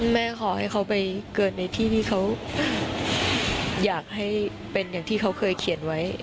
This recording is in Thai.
ขอให้เขาไปเกิดในที่ที่เขาอยากให้เป็นอย่างที่เขาเคยเขียนไว้